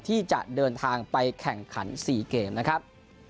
ที่จะเดินทางไปแข่งขัน๔เกมนะครับ